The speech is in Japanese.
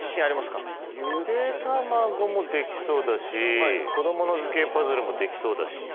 「ゆでたまご」もできそうだし「子どもの図形パズル」もできそうだし。